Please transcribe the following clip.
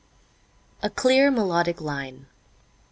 A Clear Melodic Line.